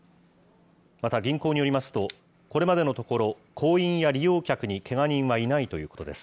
また銀行によりますと、これまでのところ、行員や利用客にけが人はいないということです。